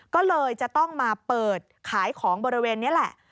ก็เลยจะต้องมาเปิดขายของบริเวณนี้แหละ